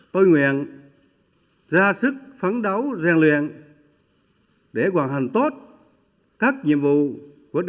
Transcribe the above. tôi nguyện ra sức phấn đấu rèn luyện để hoàn hẳn tốt các nhiệm vụ của đại biểu quốc hội